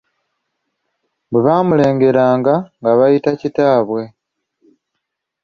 Bwe baamulengeranga nga bayita kitaabwe.